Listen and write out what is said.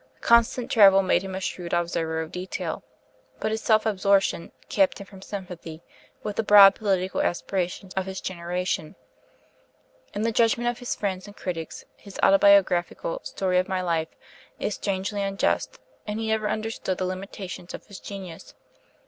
Constant travel made him a shrewd observer of detail, but his self absorption kept him from sympathy with the broad political aspirations of his generation. In the judgment of his friends and critics, his autobiographical 'Story of My Life' is strangely unjust, and he never understood the limitations of his genius.